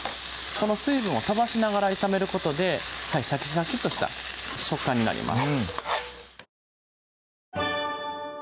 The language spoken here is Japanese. この水分を飛ばしながら炒めることでシャキシャキッとした食感になります